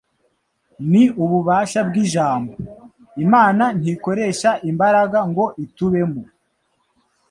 Ni ububasha bw'Ijambo. Imana ntikoresha imbaraga ngo itubemo;